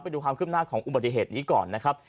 ไปดูความขึ้นหน้าของอุบัติเหตุนี้ก่อนนะครับ